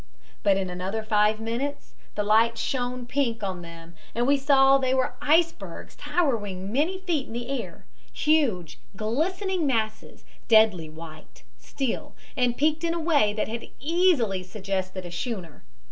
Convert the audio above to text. But in another five minutes the light shone pink on them and we saw they were icebergs towering many feet in the air, huge, glistening masses, deadly white, still, and peaked in a way that had easily suggested a schooner.